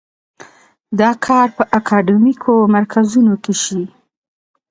دا کار په اکاډیمیکو مرکزونو کې شي.